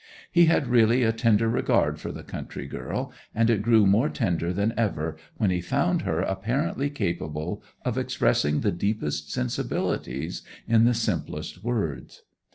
He had really a tender regard for the country girl, and it grew more tender than ever when he found her apparently capable of expressing the deepest sensibilities in the simplest words.